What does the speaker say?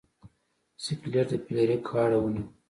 سکلیټ د فلیریک غاړه ونیوه.